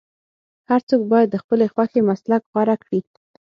هر څوک باید د خپلې خوښې مسلک غوره کړي.